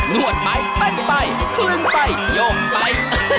นวดไปเต้นไปเคลื่องไปโยมไป